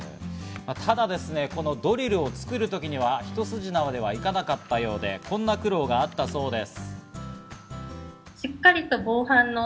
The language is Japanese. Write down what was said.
ただ、このドリルを作るときには一筋縄ではいかなかったようでこんな苦労があったそうです。